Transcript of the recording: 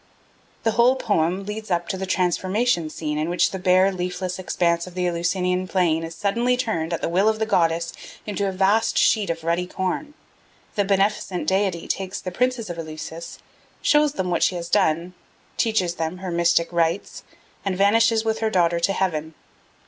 The whole poem leads up to the transformation scene in which the bare leafless expanse of the Eleusinian plain is suddenly turned, at the will of the goddess, into a vast sheet of ruddy corn; the beneficent deity takes the princes of Eleusis, shows them what she has done, teaches them her mystic rites, and vanishes with her daughter to heaven.